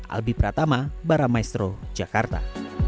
albi pratama baramaestro jakarta